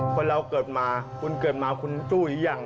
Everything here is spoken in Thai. คนเราเกิดมาคุณเกิดมาคุณสู้หรือยัง